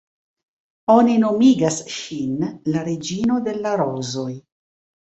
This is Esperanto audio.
Oni nomigas ŝin "La Reĝino de la Rozoj".